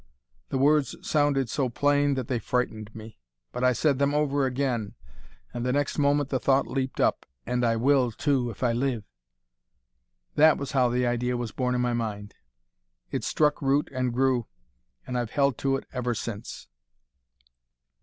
The words sounded so plain that they frightened me. But I said them over again, and the next moment the thought leaped up, 'And I will, too, if I live!' That was how the idea was born in my mind. It struck root and grew, and I've held to it ever since."